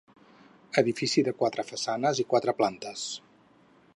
Edifici de quatre façanes i quatre plantes.